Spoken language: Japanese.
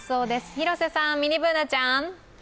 広瀬さん、ミニＢｏｏｎａちゃん。